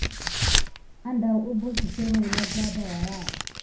Agum danla na kulɓa siseme nat da wakiya.